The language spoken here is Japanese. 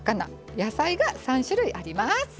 野菜が３種類あります。